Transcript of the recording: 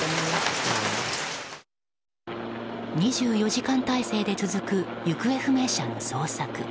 ２４時間態勢で続く行方不明者の捜索。